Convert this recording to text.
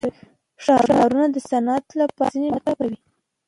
ښارونه د صنعت لپاره ځینې مواد برابروي.